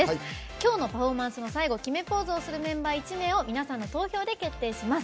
今日のパフォーマンスの最後決めポーズをするメンバー１名を皆さんの投票で決定します。